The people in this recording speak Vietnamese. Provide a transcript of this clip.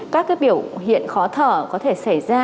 các biểu hiện khó thở có thể xảy ra